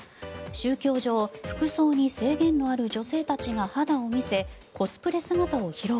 宗教上、服装に制限のある女性たちが肌を見せコスプレ姿を披露。